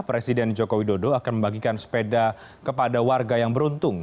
presiden joko widodo akan membagikan sepeda kepada warga yang beruntung